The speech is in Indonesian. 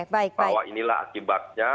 bahwa inilah akibatnya